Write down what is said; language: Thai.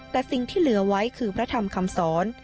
แต่สิ่งที่เหลือไว้คือพระธรรมคำสอน